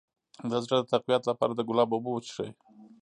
د زړه د تقویت لپاره د ګلاب اوبه وڅښئ